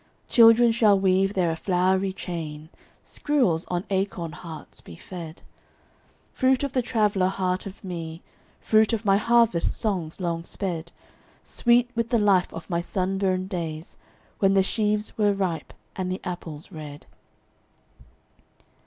Children shall weave there a flowery chain, Squirrels on acorn hearts be fed:— Fruit of the traveller heart of me, Fruit of my harvest songs long sped: Sweet with the life of my sunburned days When the sheaves were ripe, and the apples red.